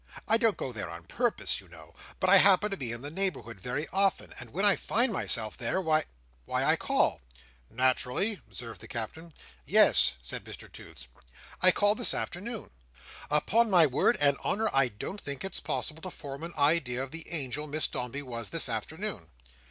I don't go there on purpose, you know, but I happen to be in the neighbourhood very often; and when I find myself there, why—why I call." "Nat'rally," observed the Captain. "Yes," said Mr Toots. "I called this afternoon. Upon my word and honour, I don't think it's possible to form an idea of the angel Miss Dombey was this afternoon."